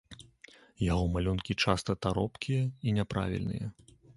Яго малюнкі часта таропкія і няправільныя.